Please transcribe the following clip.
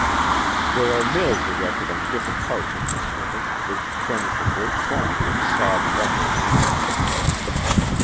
There are mills erected on different parts of this river, which furnish a great quantity of sawed lumber annually.